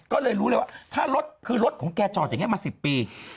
ก็เลยรู้เลยว่าถ้ารถคือรถของแกจอดอย่างนี้มา๑๐ปี